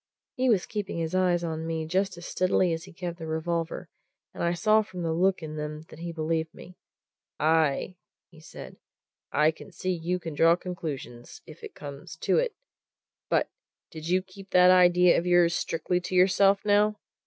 He was keeping his eyes on me just as steadily as he kept the revolver, and I saw from the look in them that he believed me. "Aye!" he said. "I see you can draw conclusions, if it comes to it. But did you keep that idea of yours strictly to yourself, now?"